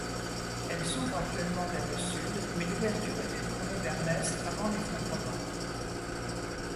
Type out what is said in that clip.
Elle s'ouvre actuellement vers le sud mais l'ouverture était tournée vers l'est avant l'effondrement.